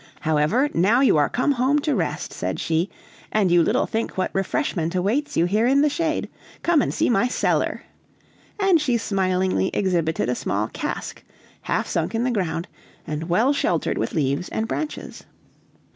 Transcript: "However, now you are come home to rest," said she, "and you little think what refreshment awaits you here in the shade. Come and see my cellar!" and she smilingly exhibited a small cask, half sunk in the ground, and well sheltered with leaves and branches.